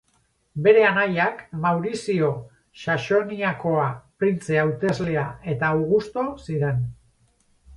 Bere anaiak Maurizio Saxoniakoa printze hauteslea eta Augusto ziren.